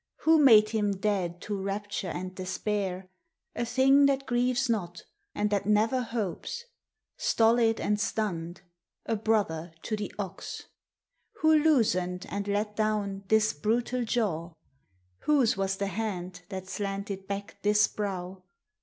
Who made him dead to rapture and despair, A thing that grieves not and that never hopes, Stolid and stunned, a brother to the ox? Who loosened and let down this brutal jaw ? Whose was the hand that slanted back this brow?